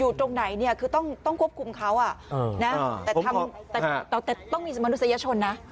อยู่ตรงไหนเนี้ยคือต้องต้องควบคุมเขาอ่ะเออนะแต่ต้องมีมนุษยชนนะ